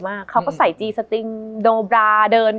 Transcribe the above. มันทำให้ชีวิตผู้มันไปไม่รอด